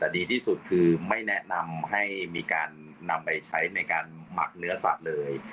แต่ดีที่สุดคือไม่แนะนำให้มีการนำไปใช้ในการหมักเนื้อสัตว์เลย